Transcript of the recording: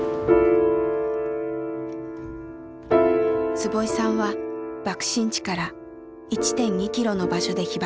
坪井さんは爆心地から１．２キロの場所で被爆。